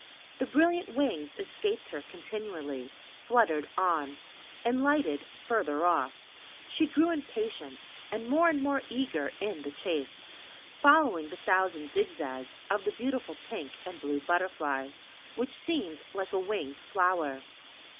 The brilliant wings escaped her continually, fluttered on, and lighted further off; she grew impatient, and more and more eager in the chase, following the thousand zig zags of the beautiful pink and blue butterfly, which seemed like a winged flower.